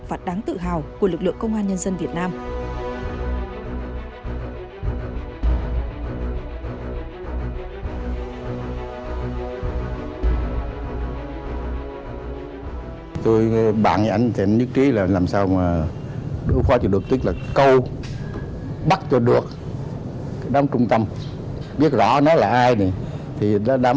và đáng tự hào của lực lượng công an nhân dân việt nam